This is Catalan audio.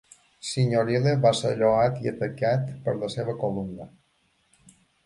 Signorile va ser lloat i atacat per la seva columna.